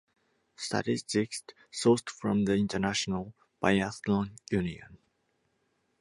Statistics sourced from the International Biathlon Union.